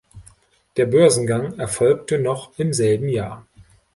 Der Börsengang erfolgte noch im selben Jahr.